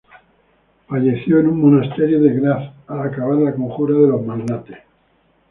Falleció en un monasterio de Graz al acabar la Conjura de los Magnates.